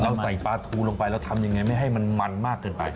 ใส่ปลาทูลงไปเราทำยังไงไม่ให้มันมันมากเกินไป